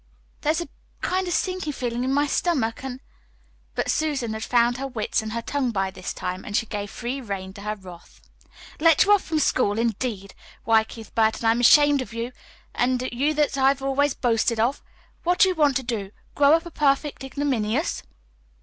There's a kind of sinking feeling in my stomach, and " But Susan had found her wits and her tongue by this time, and she gave free rein to her wrath. "Let you off from school, indeed! Why, Keith Burton, I'm ashamed of you an' you that I've always boasted of! What do you want to do grow up a perfect ignominious?"